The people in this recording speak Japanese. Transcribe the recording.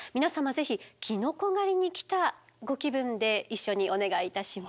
ぜひキノコ狩りに来たご気分で一緒にお願いいたします。